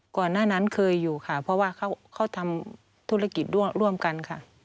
ก่อนหน้านั้นเคยอยู่ค่ะเพราะว่าเขาทำธุรกิจร่วมกันค่ะ